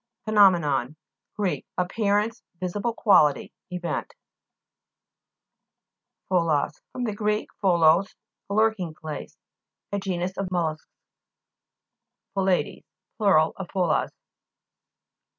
PHENO'MENON Gr. Appearance, vi sible quality, event. PHO'LAS fr. gr. p/ioleos, a lurking place. A genus of mollusks. 20 PHO'LADKS Plur. of Pholas.